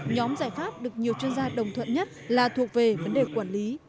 nhóm giải pháp được nhiều chuyên gia đồng thuận nhất là thuộc về vấn đề quản lý